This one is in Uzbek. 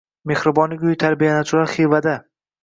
Mehribonlik uyi tarbiyalanuvchilari Xivadang